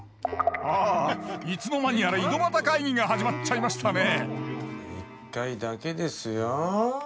あいつの間にやら井戸端会議が始まっちゃいましたね一回だけですよ。